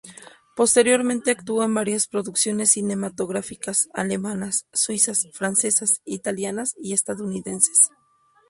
Posteriormente actuó en varias producciones cinematográficas alemanas, suizas, francesas, italianas y estadounidenses.